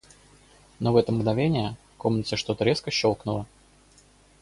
Но в это мгновение в комнате что-то резко щелкнуло.